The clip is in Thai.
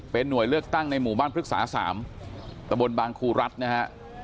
หน่วยเลือกตั้งในหมู่บ้านพฤกษา๓ตะบนบางครูรัฐนะฮะ